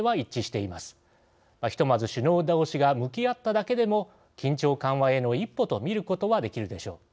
ひとまず首脳同士が向き合っただけでも緊張緩和への一歩とみることはできるでしょう。